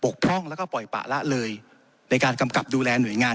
พร่องแล้วก็ปล่อยปะละเลยในการกำกับดูแลหน่วยงาน